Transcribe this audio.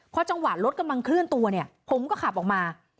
พอจังหวะรถกำลังเคลื่อนตัวเนี่ยผมก็ขับออกมา